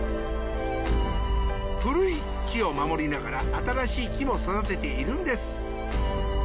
古い木を守りながら新しい木も育てているんです。